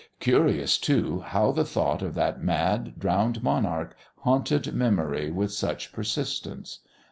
Curious, too, how the thought of that mad, drowned monarch haunted memory with such persistence.